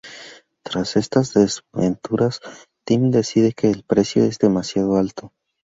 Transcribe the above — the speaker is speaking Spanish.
Tras estas desventuras, Tim decide que el precio es demasiado alto.